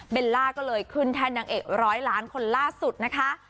ล่าก็เลยขึ้นแท่นนางเอกร้อยล้านคนล่าสุดนะคะ